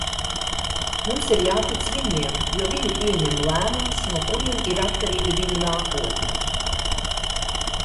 Mums ir jātic viņiem, jo viņi pieņem lēmumus, no kuriem ir atkarīga viņu nākotne.